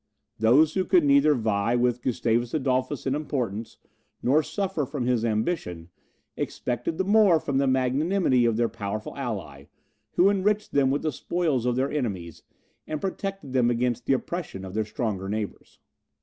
Those who could neither vie with Gustavus Adolphus in importance, nor suffer from his ambition, expected the more from the magnanimity of their powerful ally, who enriched them with the spoils of their enemies, and protected them against the oppression of their stronger neighbours.